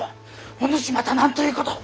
お主また何ということを！